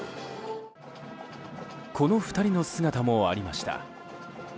この２人の姿もありました。